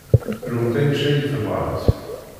Rumt anect ay tebɣamt.